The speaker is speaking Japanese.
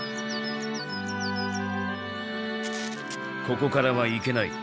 ここからは行けない。